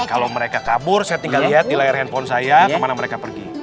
kalau mereka kabur saya tinggal lihat di layar handphone saya kemana mereka pergi